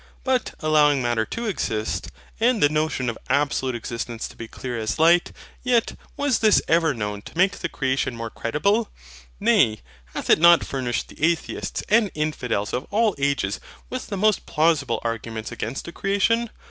But allowing Matter to exist, and the notion of absolute existence to be clear as light; yet, was this ever known to make the creation more credible? Nay, hath it not furnished the atheists and infidels of all ages with the most plausible arguments against a creation?